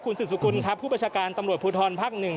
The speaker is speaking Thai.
คุณสุสุกุลผู้บัชการตำรวจภูทธรภัคหนึ่ง